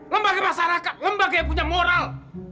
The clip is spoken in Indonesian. lembaga masyarakat lembaga yang punya moral